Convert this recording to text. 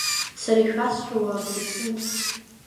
Сара ишәасҳәауа акгьы сымам.